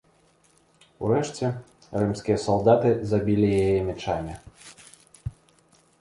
Урэшце, рымскія салдаты забілі яе мячамі.